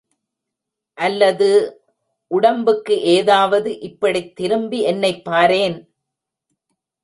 அல்லது...... உடம்புக்கு ஏதாவது இப்படித் திரும்பி என்னைப் பாரேன்!